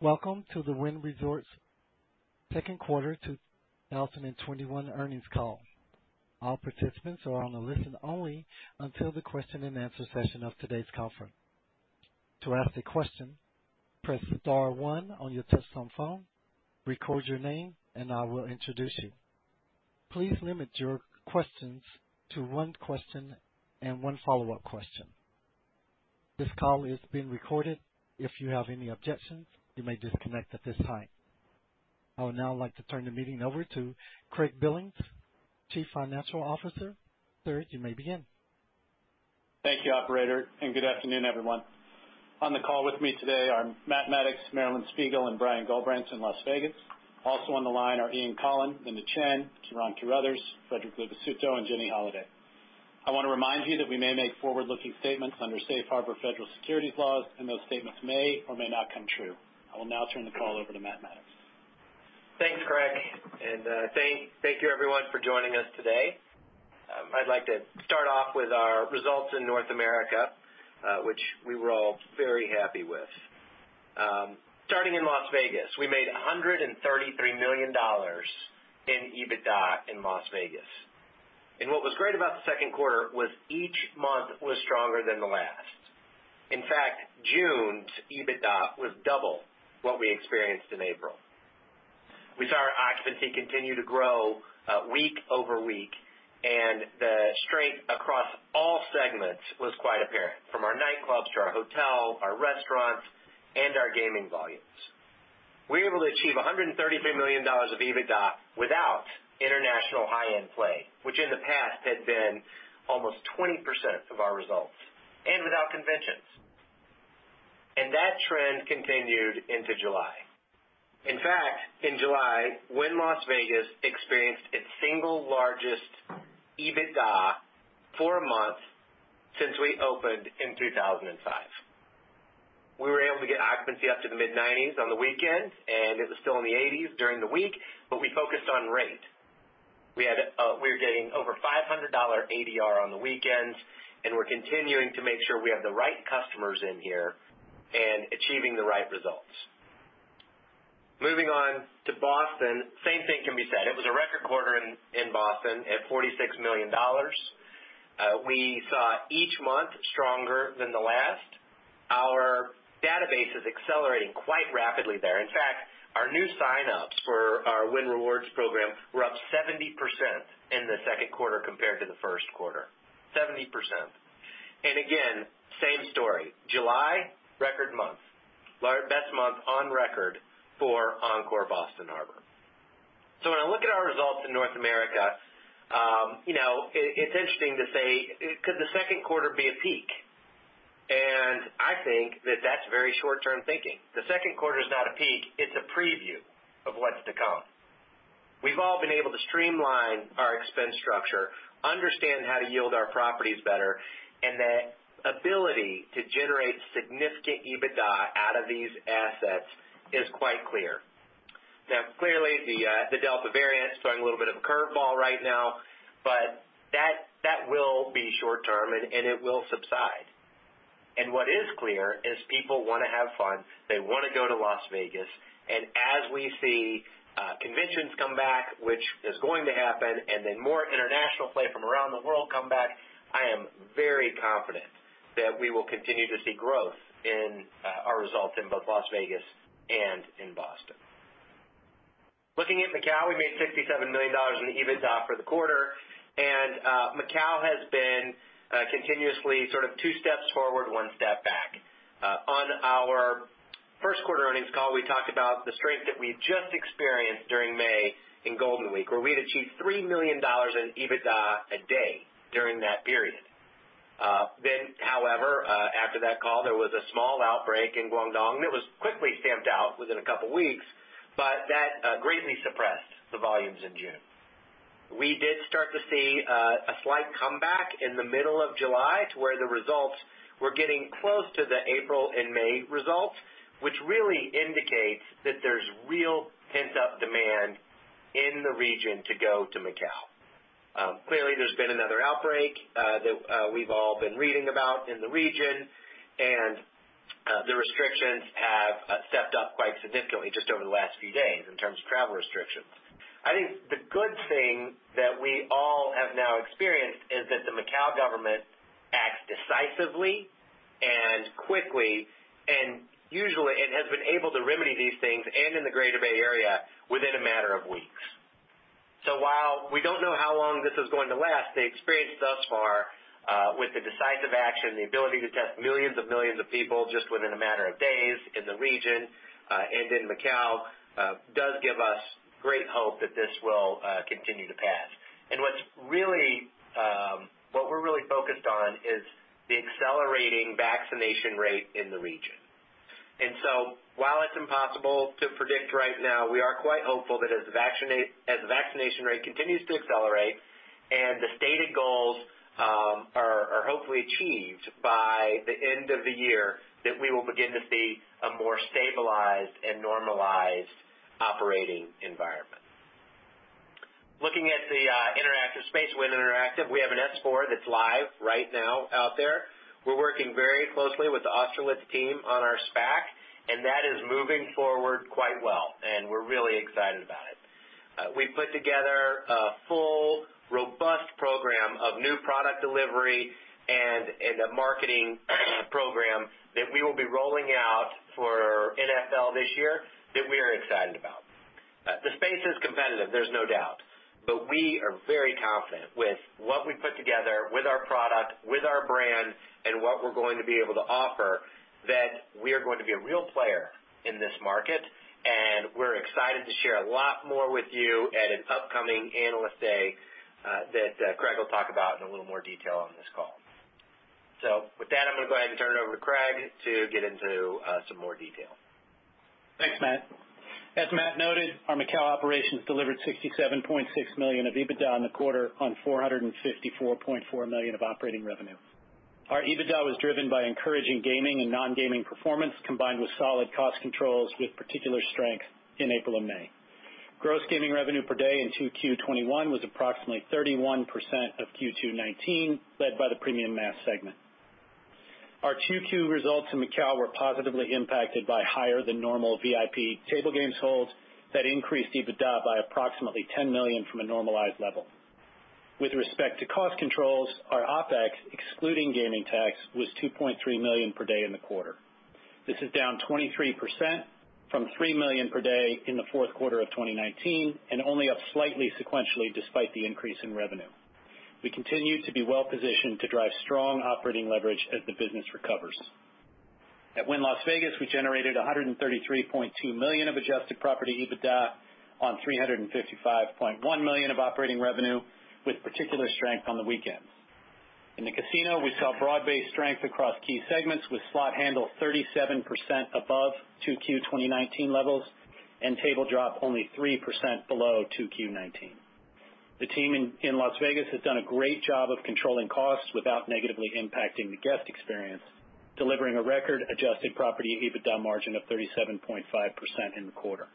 Welcome to the Wynn Resorts second quarter 2021 earnings call. All participants are on a listen only until the question and answer session of today's conference. To ask a question, press star one on your touchtone phone, record your name, and I will introduce you. Please limit your questions to one question and one follow-up question. This call is being recorded. If you have any objections, you may disconnect at this time. I would now like to turn the meeting over to Craig Billings, Chief Financial Officer. Sir, you may begin. Thank you, operator. Good afternoon, everyone. On the call with me today are Matt Maddox, Marilyn Spiegel, and Brian Gullbrants in Las Vegas. Also on the line are Ian Coughlan, Linda Chen, Ciaran Carruthers, Frederic Luvisutto, and Jenny Holaday. I want to remind you that we may make forward-looking statements under safe harbor federal securities laws, those statements may or may not come true. I will now turn the call over to Matt Maddox. Thanks, Craig. Thank you everyone for joining us today. I'd like to start off with our results in North America, which we were all very happy with. Starting in Las Vegas, we made $133 million in EBITDA in Las Vegas. What was great about the second quarter was each month was stronger than the last. In fact, June's EBITDA was double what we experienced in April. We saw our occupancy continue to grow week-over-week, the strength across all segments was quite apparent, from our nightclubs to our hotel, our restaurants, and our gaming volumes. We were able to achieve $133 million of EBITDA without international high-end play, which in the past had been almost 20% of our results, and without conventions. That trend continued into July. In fact, in July, Wynn Las Vegas experienced its single largest EBITDA for a month since we opened in 2005. We were able to get occupancy up to the mid-90s on the weekends, it was still in the 80s during the week, but we focused on rate. We were getting over $500 ADR on the weekends, we're continuing to make sure we have the right customers in here and achieving the right results. Moving on to Boston, same thing can be said. It was a record quarter in Boston at $46 million. We saw each month stronger than the last. Our database is accelerating quite rapidly there. In fact, our new sign-ups for our Wynn Rewards program were up 70% in the second quarter compared to the first quarter. 70%. Again, same story. July, record month. Best month on record for Encore Boston Harbor. When I look at our results in North America, it's interesting to say, could the second quarter be a peak? I think that that's very short-term thinking. The second quarter is not a peak. It's a preview of what's to come. We've all been able to streamline our expense structure, understand how to yield our properties better, and the ability to generate significant EBITDA out of these assets is quite clear. Clearly, the Delta variant is throwing a little bit of a curve ball right now, but that will be short term, and it will subside. What is clear is people want to have fun. They want to go to Las Vegas. As we see conventions come back, which is going to happen, and then more international play from around the world come back, I am very confident that we will continue to see growth in our results in both Las Vegas and in Boston. Looking at Macau, we made $67 million in EBITDA for the quarter, and Macau has been continuously sort of two steps forward, one step back. On our first quarter earnings call, we talked about the strength that we just experienced during May in Golden Week, where we'd achieved $3 million in EBITDA a day during that period. However, after that call, there was a small outbreak in Guangdong that was quickly stamped out within a couple of weeks, but that greatly suppressed the volumes in June. We did start to see a slight comeback in the middle of July to where the results were getting close to the April and May results, which really indicates that there's real pent-up demand in the region to go to Macau. Clearly, there's been another outbreak that we've all been reading about in the region. The restrictions have stepped up quite significantly just over the last few days in terms of travel restrictions. I think the good thing that we all have now experienced is that the Macau government acts decisively and quickly. Usually, it has been able to remedy these things, and in the Greater Bay Area, within a matter of weeks. While we don't know how long this is going to last, the experience thus far, with the decisive action, the ability to test millions of millions of people just within a matter of days in the region and in Macau, does give us great hope that this will continue to pass. What we're really focused on is the accelerating vaccination rate in the region. While it's impossible to predict right now, we are quite hopeful that as the vaccination rate continues to accelerate and the stated goals are hopefully achieved by the end of the year, that we will begin to see a more stabilized and normalized operating environment. We have an S-4 that's live right now out there. We're working very closely with the Austerlitz team on our SPAC, and that is moving forward quite well. We're really excited about it. We put together a full, robust program of new product delivery and a marketing program that we will be rolling out for NFL this year that we are excited about. The space is competitive, there's no doubt, but we are very confident with what we've put together with our product, with our brand, and what we're going to be able to offer, that we are going to be a real player in this market. We're excited to share a lot more with you at an upcoming Analyst Day, that Craig will talk about in a little more detail on this call. With that, I'm going to go ahead and turn it over to Craig to get into some more detail. Thanks, Matt. As Matt noted, our Macau operations delivered $67.6 million of EBITDA in the quarter on $454.4 million of operating revenue. Our EBITDA was driven by encouraging gaming and non-gaming performance, combined with solid cost controls, with particular strength in April and May. Gross gaming revenue per day in 2Q21 was approximately 31% of Q2'19, led by the premium mass segment. Our 2Q results in Macau were positively impacted by higher than normal VIP table games holds that increased EBITDA by approximately $10 million from a normalized level. With respect to cost controls, our OPEX, excluding gaming tax, was $2.3 million per day in the quarter. This is down 23% from $3 million per day in the fourth quarter of 2019, and only up slightly sequentially despite the increase in revenue. We continue to be well-positioned to drive strong operating leverage as the business recovers. At Wynn Las Vegas, we generated $133.2 million of adjusted property EBITDA on $355.1 million of operating revenue, with particular strength on the weekends. In the casino, we saw broad-based strength across key segments, with slot handle 37% above 2Q2019 levels and table drop only 3% below 2Q'19. The team in Las Vegas has done a great job of controlling costs without negatively impacting the guest experience, delivering a record adjusted property EBITDA margin of 37.5% in the quarter.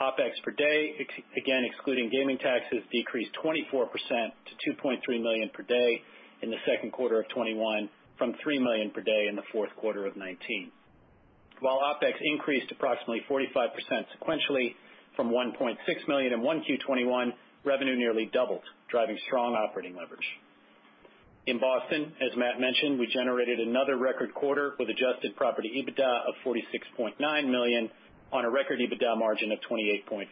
OPEX per day, again, excluding gaming taxes, decreased 24% to $2.3 million per day in the second quarter of '21 from $3 million per day in the fourth quarter of '19. While OPEX increased approximately 45% sequentially from $1.6 million in 1Q21, revenue nearly doubled, driving strong operating leverage. In Boston, as Matt mentioned, we generated another record quarter with adjusted property EBITDA of $46.9 million on a record EBITDA margin of 28.4%.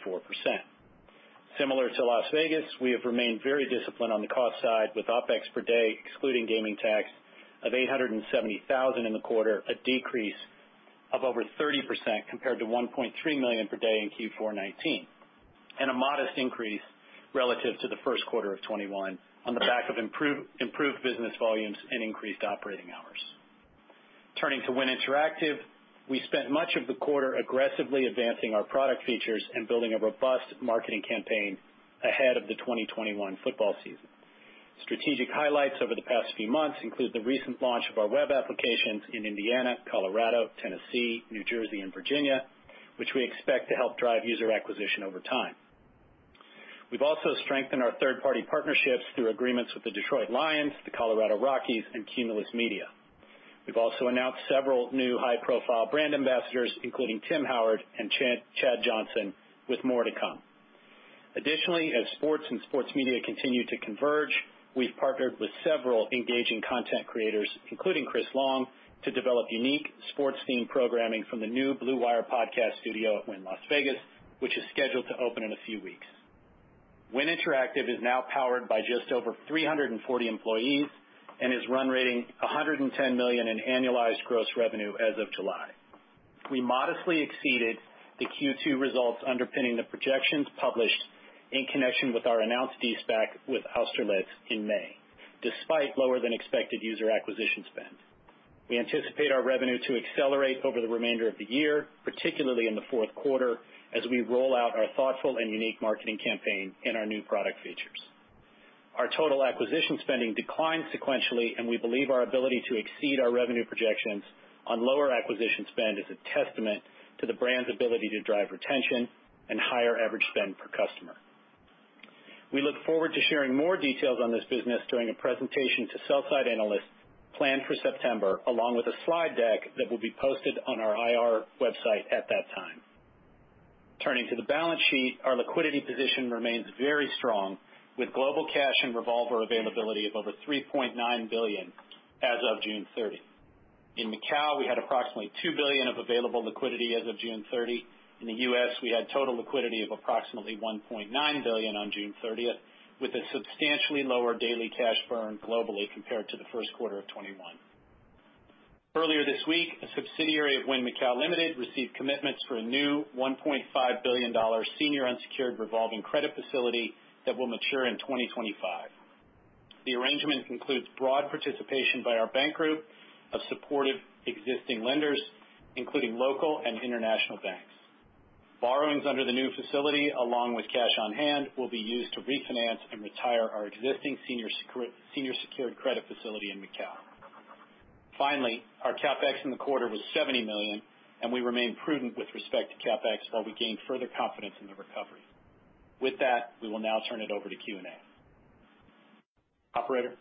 Similar to Las Vegas, we have remained very disciplined on the cost side with OPEX per day, excluding gaming tax, of $870,000 in the quarter, a decrease of over 30% compared to $1.3 million per day in Q4 '19. A modest increase relative to the first quarter of '21 on the back of improved business volumes and increased operating hours. Turning to Wynn Interactive, we spent much of the quarter aggressively advancing our product features and building a robust marketing campaign ahead of the 2021 football season. Strategic highlights over the past few months include the recent launch of our web applications in Indiana, Colorado, Tennessee, New Jersey, and Virginia, which we expect to help drive user acquisition over time. We've also strengthened our third-party partnerships through agreements with the Detroit Lions, the Colorado Rockies, and Cumulus Media. We've also announced several new high-profile brand ambassadors, including Tim Howard and Chad Johnson, with more to come. Additionally, as sports and sports media continue to converge, we've partnered with several engaging content creators, including Chris Long, to develop unique sports-themed programming from the new Blue Wire Podcast Studio at Wynn Las Vegas, which is scheduled to open in a few weeks. Wynn Interactive is now powered by just over 340 employees and is run rating $110 million in annualized gross revenue as of July. We modestly exceeded the Q2 results underpinning the projections published in connection with our announced de-SPAC with Austerlitz in May, despite lower than expected user acquisition spend. We anticipate our revenue to accelerate over the remainder of the year, particularly in the fourth quarter, as we roll out our thoughtful and unique marketing campaign and our new product features. Our total acquisition spending declined sequentially, and we believe our ability to exceed our revenue projections on lower acquisition spend is a testament to the brand's ability to drive retention and higher average spend per customer. We look forward to sharing more details on this business during a presentation to sell-side analysts planned for September, along with a slide deck that will be posted on our IR website at that time. Turning to the balance sheet, our liquidity position remains very strong, with global cash and revolver availability of over $3.9 billion as of June 30th. In Macao, we had approximately $2 billion of available liquidity as of June 30. In the U.S., we had total liquidity of approximately $1.9 billion on June 30th, with a substantially lower daily cash burn globally compared to the first quarter of 2021. Earlier this week, a subsidiary of Wynn Macau Limited received commitments for a new $1.5 billion senior unsecured revolving credit facility that will mature in 2025. The arrangement includes broad participation by our bank group of supportive existing lenders, including local and international banks. Borrowings under the new facility, along with cash on hand, will be used to refinance and retire our existing senior secured credit facility in Macao. Finally, our CapEx in the quarter was $70 million, and we remain prudent with respect to CapEx while we gain further confidence in the recovery. With that, we will now turn it over to Q&A. Operator?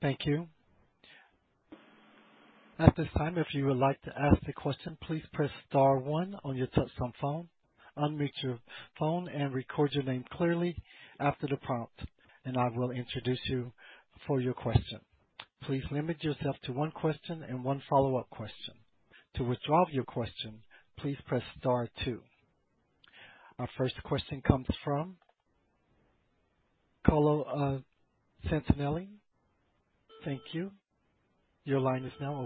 Thank you. At this time, if you would like to ask a question, please press star one on your touchtone phone, unmute your phone, and record your name clearly after the prompt, and I will introduce you for your question. Please limit yourself to one question and one follow-up question. To withdraw your question, please press star two. Our first question comes from Carlo Santarelli. Thank you. Your line is now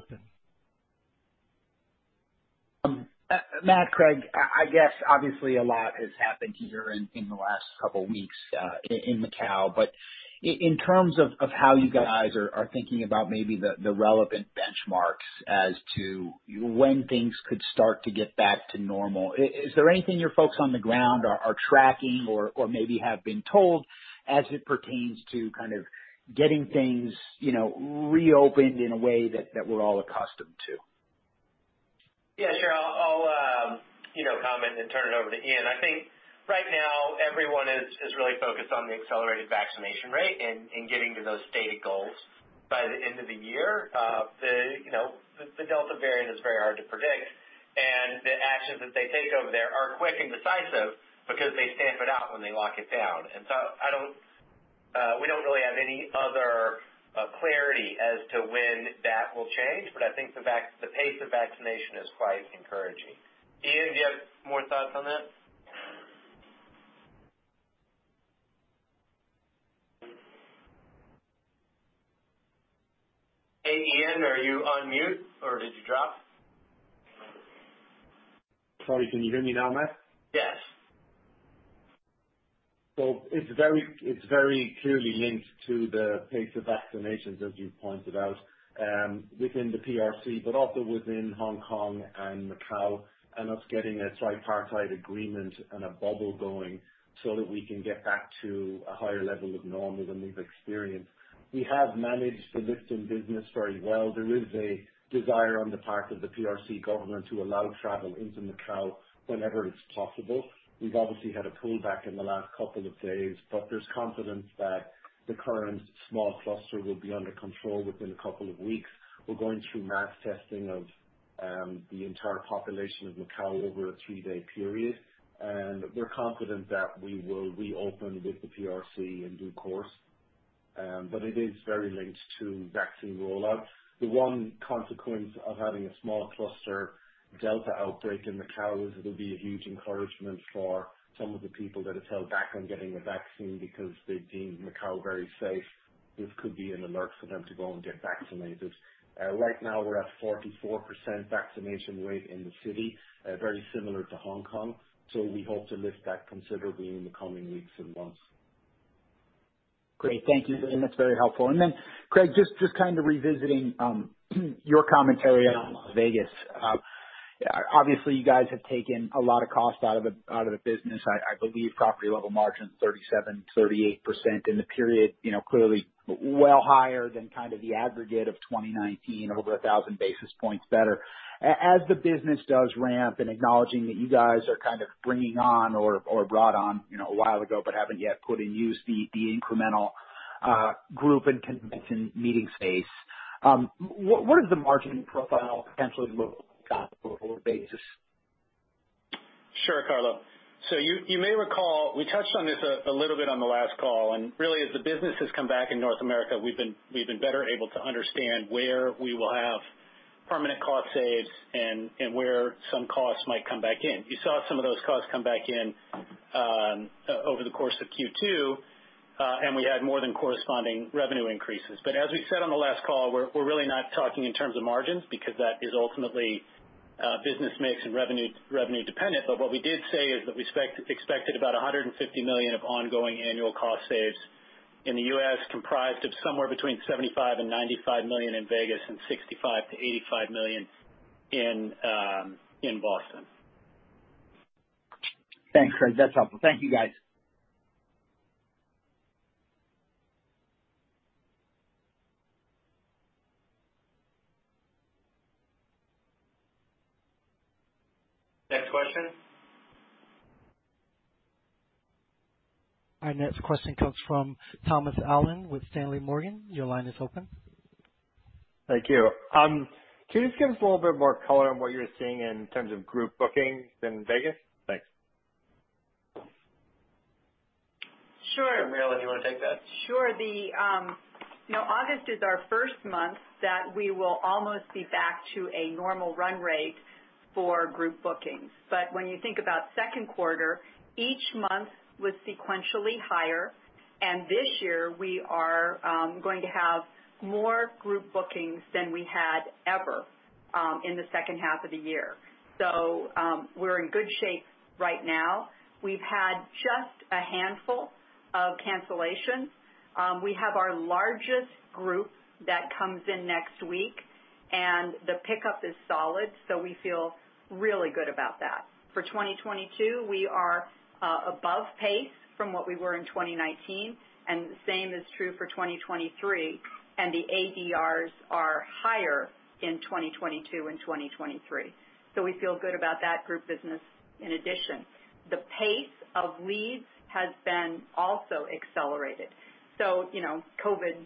open. Matt, Craig, I guess obviously a lot has happened here in the last two weeks in Macau, in terms of how you guys are thinking about maybe the relevant benchmarks as to when things could start to get back to normal, is there anything your folks on the ground are tracking or maybe have been told as it pertains to kind of getting things reopened in a way that we're all accustomed to? Yeah, sure. I'll comment and then turn it over to Ian. I think right now everyone is really focused on the accelerated vaccination rate and getting to those stated goals by the end of the year. The Delta variant is very hard to predict, the actions that they take over there are quick and decisive because they stamp it out when they lock it down. We don't really have any other clarity as to when that will change, I think the pace of vaccination is quite encouraging. Ian, do you have more thoughts on that? Hey, Ian, are you on mute or did you drop? Sorry, can you hear me now, Matt? Yes. It's very clearly linked to the pace of vaccinations, as you pointed out, within the PRC, also within Hong Kong and Macau, and us getting a tripartite agreement and a bubble going so that we can get back to a higher level of normal than we've experienced. We have managed the lifting business very well. There is a desire on the part of the PRC government to allow travel into Macau whenever it's possible. We've obviously had a pullback in the last two days, there's confidence that the current small cluster will be under control within two weeks. We're going through mass testing of the entire population of Macau over a three-day period. We're confident that we will reopen with the PRC in due course. It is very linked to vaccine rollout. The one consequence of having a small cluster Delta outbreak in Macau is it'll be a huge encouragement for some of the people that have held back on getting the vaccine because they've deemed Macau very safe. This could be an alert for them to go and get vaccinated. Right now we're at 44% vaccination rate in the city, very similar to Hong Kong. We hope to lift that considerably in the coming weeks and months. Great. Thank you. That's very helpful. Craig, just kind of revisiting your commentary on Las Vegas. Obviously, you guys have taken a lot of cost out of the business. I believe property level margin 37%-38% in the period, clearly well higher than kind of the aggregate of 2019, over 1,000 basis points better. As the business does ramp and acknowledging that you guys are kind of bringing on or brought on a while ago but haven't yet put in use the incremental group and convention meeting space. Where does the margin profile potentially look on a go-forward basis? Sure, Carlo. You may recall we touched on this a little bit on the last call, really as the business has come back in North America, we've been better able to understand where we will have permanent cost saves and where some costs might come back in. You saw some of those costs come back in over the course of Q2, we had more than corresponding revenue increases. As we said on the last call, we're really not talking in terms of margins because that is ultimately business mix and revenue dependent. What we did say is that we expected about $150 million of ongoing annual cost saves in the U.S., comprised of somewhere between $75 million and $95 million in Vegas and $65 million to $85 million in Boston. Thanks, Craig. That's helpful. Thank you, guys. Next question. Our next question comes from Thomas Allen with Morgan Stanley. Your line is open. Thank you. Can you just give us a little bit more color on what you're seeing in terms of group bookings in Vegas? Thanks. Sure. Marilyn, do you want to take that? Sure. August is our first month that we will almost be back to a normal run rate for group bookings. When you think about second quarter, each month was sequentially higher, and this year we are going to have more group bookings than we had ever in the second half of the year. We're in good shape right now. We've had just a handful of cancellations. We have our largest group that comes in next week. The pickup is solid, so we feel really good about that. For 2022, we are above pace from what we were in 2019, and the same is true for 2023. The ADRs are higher in 2022 and 2023. We feel good about that group business in addition. The pace of leads has been also accelerated. COVID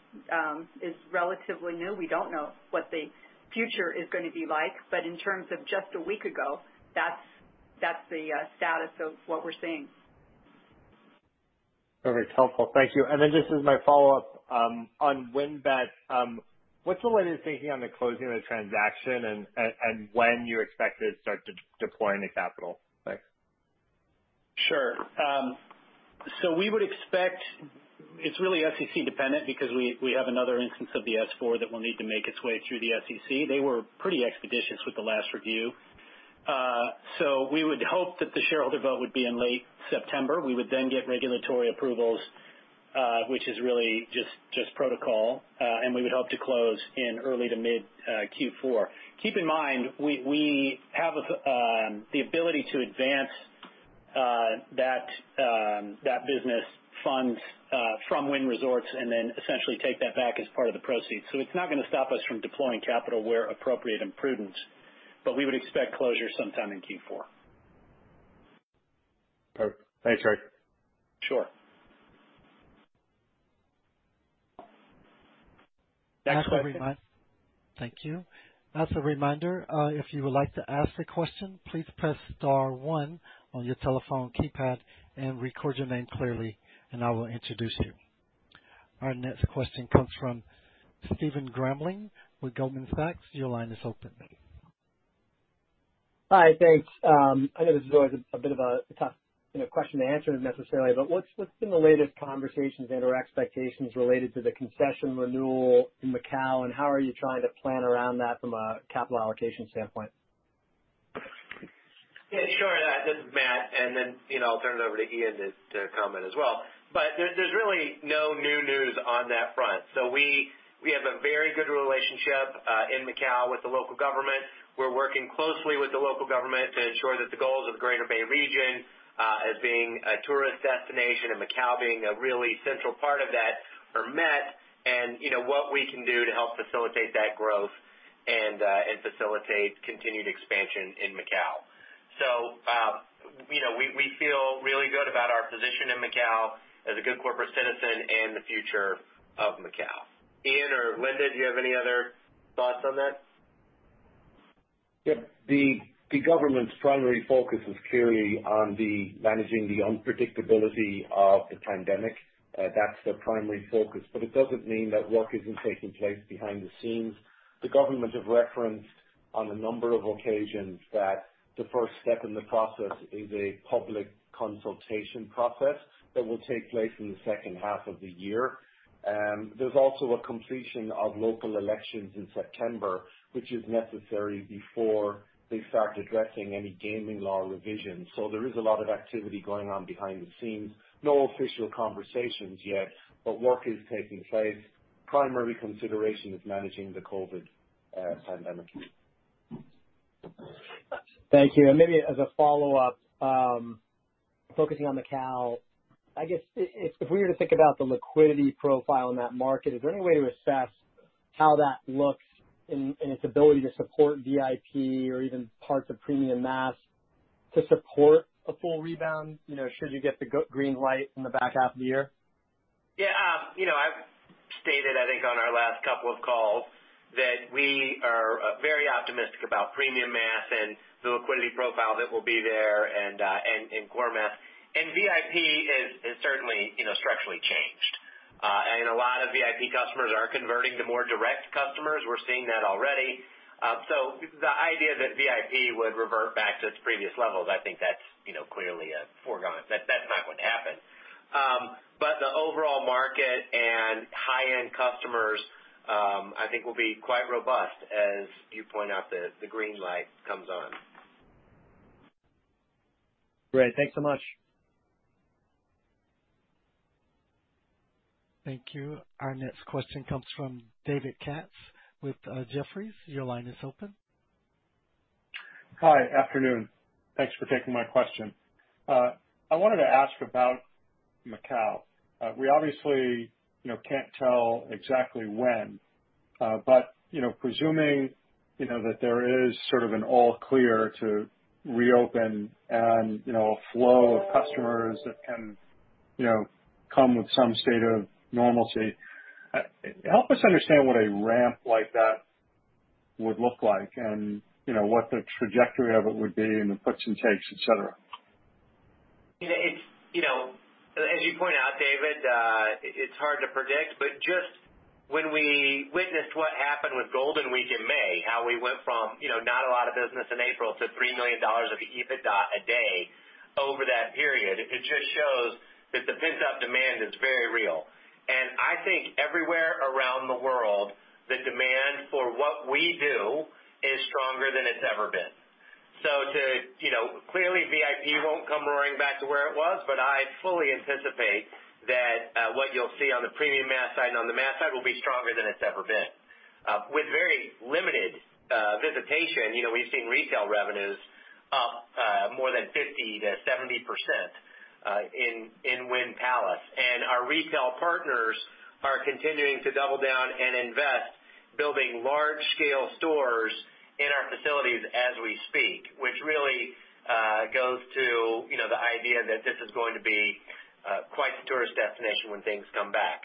is relatively new. We don't know what the future is going to be like. In terms of just a week ago, that's the status of what we're seeing. Perfect. Helpful. Thank you. Just as my follow-up on WynnBET, what's the latest thinking on the closing of the transaction and when you expect to start deploying the capital? Thanks. Sure. We would expect it's really SEC dependent because we have another instance of the S-4 that will need to make its way through the SEC. They were pretty expeditious with the last review. We would hope that the shareholder vote would be in late September. We would then get regulatory approvals, which is really just protocol. We would hope to close in early to mid Q4. Keep in mind, we have the ability to advance that business funds from Wynn Resorts and then essentially take that back as part of the proceeds. It's not going to stop us from deploying capital where appropriate and prudent, but we would expect closure sometime in Q4. Perfect. Thanks, Craig. Sure. Next question. Thank you. As a reminder, if you would like to ask a question, please press star one on your telephone keypad and record your name clearly and I will introduce you. Our next question comes from Stephen Grambling with Goldman Sachs. Your line is open. Hi. Thanks. I know this is always a bit of a tough question to answer necessarily, but what's been the latest conversations and/or expectations related to the concession renewal in Macau, and how are you trying to plan around that from a capital allocation standpoint? Yeah, sure. This is Matt, and then, I'll turn it over to Ian to comment as well. There's really no new news on that front. We have a very good relationship in Macau with the local government. We're working closely with the local government to ensure that the goals of the Greater Bay region, as being a tourist destination and Macau being a really central part of that, are met, and what we can do to help facilitate that growth and facilitate continued expansion in Macau. We feel really good about our position in Macau as a good corporate citizen and the future of Macau. Ian or Linda, do you have any other thoughts on that? Yep. The government's primary focus is clearly on managing the unpredictability of the pandemic. That's their primary focus. It doesn't mean that work isn't taking place behind the scenes. The government have referenced on a number of occasions that the first step in the process is a public consultation process that will take place in the second half of the year. There's also a completion of local elections in September, which is necessary before they start addressing any gaming law revisions. There is a lot of activity going on behind the scenes. No official conversations yet, but work is taking place. Primary consideration is managing the COVID pandemic. Thank you. Maybe as a follow-up, focusing on Macau, I guess if we were to think about the liquidity profile in that market, is there any way to assess how that looks in its ability to support VIP or even parts of premium mass to support a full rebound, should you get the green light in the back half of the year? Yeah. I've stated, I think, on our last couple of calls that we are very optimistic about premium mass and the liquidity profile that will be there and core mass. VIP has certainly structurally changed. A lot of VIP customers are converting to more direct customers. We're seeing that already. The idea that VIP would revert back to its previous levels, I think that's clearly a foregone. That's not going to happen. The overall market and high-end customers, I think, will be quite robust as you point out that the green light comes on. Great. Thanks so much. Thank you. Our next question comes from David Katz with Jefferies. Your line is open. Hi. Afternoon. Thanks for taking my question. I wanted to ask about Macau. We obviously can't tell exactly when, but presuming that there is sort of an all clear to reopen and a flow of customers that can come with some state of normalcy, help us understand what a ramp like that would look like and what the trajectory of it would be and the puts and takes, et cetera. As you point out, David, it's hard to predict, but just when we witnessed what happened with Golden Week in May, how we went from not a lot of business in April to $3 million of EBITDA a day over that period, it just shows that the pent-up demand is very real. I think everywhere around the world, the demand for what we do is stronger than it's ever been. VIP won't come roaring back to where it was, but I fully anticipate that what you'll see on the premium mass side and on the mass side will be stronger than it's ever been. With very limited visitation, we've seen retail revenues up more than 50%-70% in Wynn Palace. Our retail partners are continuing to double down and invest, building large-scale stores in our facilities as we speak, which really goes to the idea that this is going to be quite the tourist destination when things come back.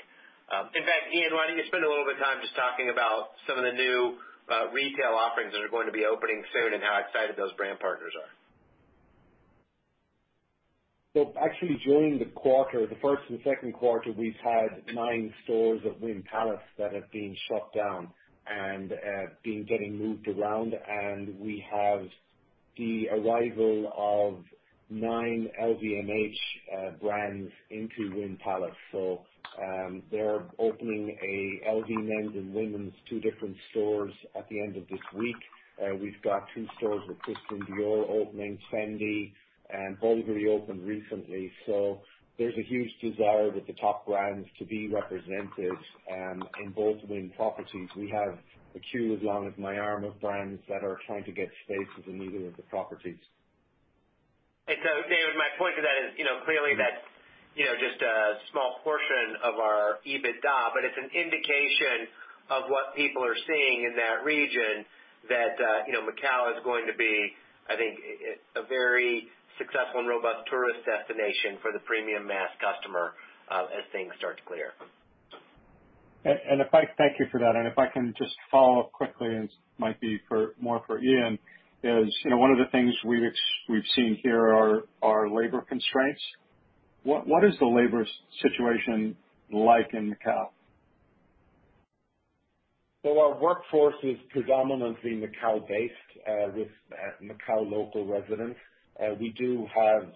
In fact, Ian, why don't you spend a little bit of time just talking about some of the new retail offerings that are going to be opening soon and how excited those brand partners are. Actually, during the quarter, the first and second quarter, we've had nine stores of Wynn Palace that have been shut down and been getting moved around. We have the arrival of nine LVMH brands into Wynn Palace. They're opening a LV men's and women's, two different stores at the end of this week. We've got two stores with Christian Dior opening. Fendi and Bvlgari opened recently. There's a huge desire with the top brands to be represented in both Wynn properties. We have a queue as long as my arm of brands that are trying to get spaces in either of the properties. David, my point to that is clearly that's just a small portion of our EBITDA, but it's an indication of what people are seeing in that region that Macau is going to be, I think, a very successful and robust tourist destination for the premium mass customer as things start to clear. Thank you for that. If I can just follow up quickly, and this might be more for Ian, is one of the things we've seen here are labor constraints. What is the labor situation like in Macau? Our workforce is predominantly Macau-based with Macau local residents. We do have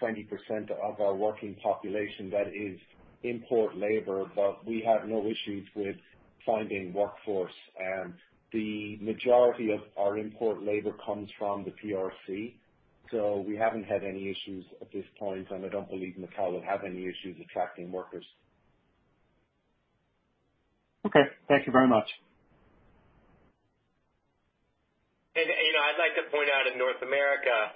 20% of our working population that is import labor, but we have no issues with finding workforce. The majority of our import labor comes from the PRC. We haven't had any issues at this point, and I don't believe Macau will have any issues attracting workers. Okay. Thank you very much. I'd like to point out in North America,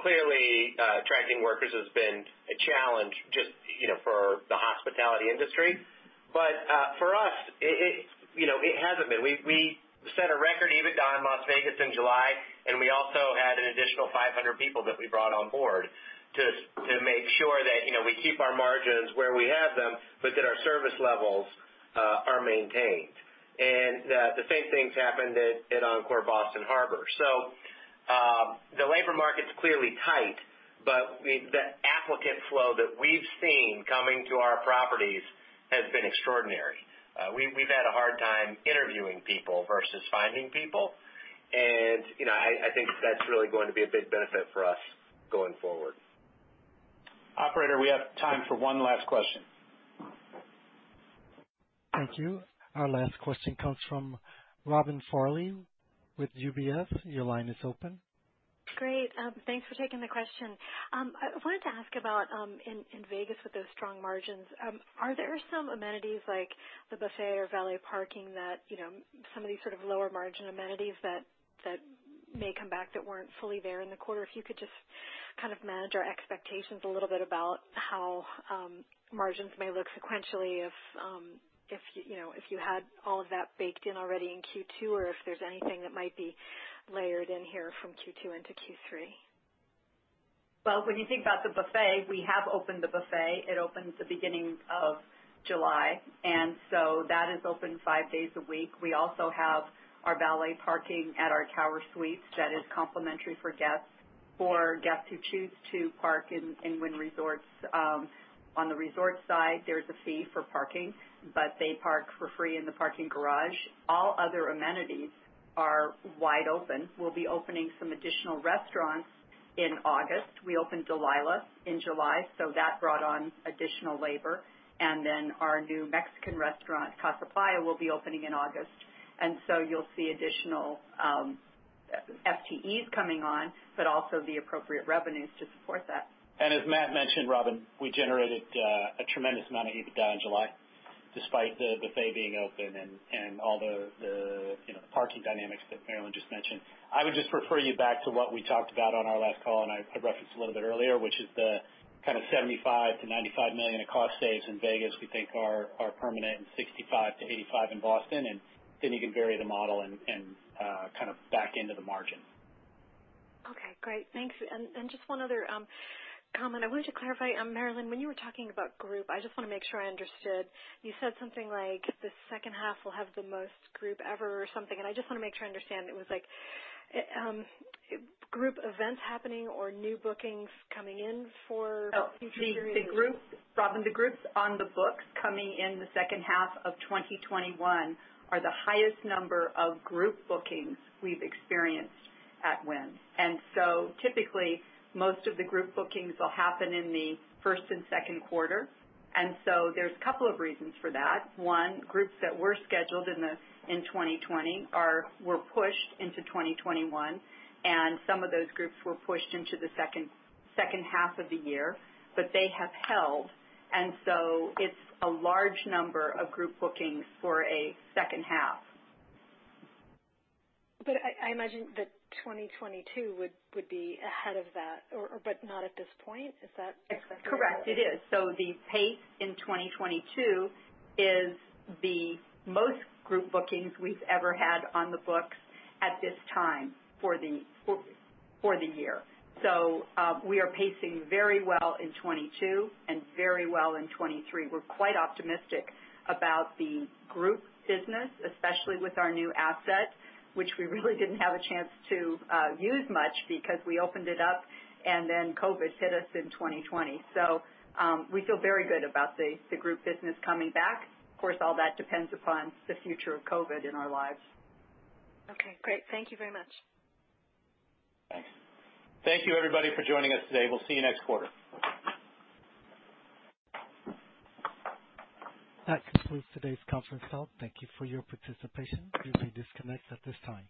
clearly, attracting workers has been a challenge just for the hospitality industry. But for us, it hasn't been. We set a record EBITDA in Las Vegas in July, and we also had an additional 500 people that we brought on board to make sure that we keep our margins where we have them, but that our service levels are maintained. The same thing's happened at Encore Boston Harbor. The labor market's clearly tight, but the applicant flow that we've seen coming to our properties has been extraordinary. We've had a hard time interviewing people versus finding people, and I think that's really going to be a big benefit for us going forward. Operator, we have time for one last question. Thank you. Our last question comes from Robin Farley with UBS. Your line is open. Great. Thanks for taking the question. I wanted to ask about in Vegas with those strong margins. Are there some amenities like the buffet or valet parking that some of these sort of lower margin amenities that may come back that weren't fully there in the quarter? If you could just kind of manage our expectations a little bit about how margins may look sequentially if you had all of that baked in already in Q2 or if there's anything that might be layered in here from Q2 into Q3. Well, when you think about the buffet, we have opened the buffet. It opened the beginning of July. That is open five days a week. We also have our valet parking at our tower suites that is complimentary for guests. For guests who choose to park in Wynn Resorts, on the resort side, there's a fee for parking, but they park for free in the parking garage. All other amenities are wide open. We'll be opening some additional restaurants in August. We opened Delilah in July, so that brought on additional labor. Our new Mexican restaurant, Casa Playa, will be opening in August. You'll see additional FTEs coming on, but also the appropriate revenues to support that. As Matt mentioned, Robin, we generated a tremendous amount of EBITDA in July despite the buffet being open and all the parking dynamics that Marilyn just mentioned. I would just refer you back to what we talked about on our last call, and I referenced a little bit earlier, which is the kind of $75 million-$95 million of cost saves in Vegas we think are permanent and $65 million-$85 million in Boston. You can vary the model and kind of back into the margins. Just one other comment. I wanted to clarify, Marilyn, when you were talking about group, I just want to make sure I understood. You said something like the second half will have the most group ever or something. I just want to make sure I understand. It was like group events happening or new bookings coming in for future periods? Robin, the groups on the books coming in the second half of 2021 are the highest number of group bookings we've experienced at Wynn. Typically, most of the group bookings will happen in the first and second quarter. There's a couple of reasons for that. One, groups that were scheduled in 2020 were pushed into 2021, and some of those groups were pushed into the second half of the year, but they have held. It's a large number of group bookings for a second half. I imagine that 2022 would be ahead of that, but not at this point. Is that correct? Correct. It is. The pace in 2022 is the most group bookings we've ever had on the books at this time for the year. We are pacing very well in 2022 and very well in 2023. We're quite optimistic about the group business, especially with our new asset, which we really didn't have a chance to use much because we opened it up and then COVID hit us in 2020. We feel very good about the group business coming back. Of course, all that depends upon the future of COVID in our lives. Okay, great. Thank you very much. Thanks. Thank you everybody for joining us today. We'll see you next quarter. That concludes today's conference call. Thank you for your participation. You may disconnect at this time.